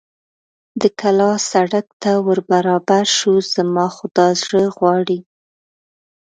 د کلا سړک ته ور برابر شو، زما خو دا زړه غواړي.